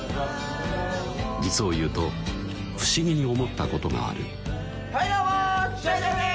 実を言うと不思議に思ったことがあるはいどうも！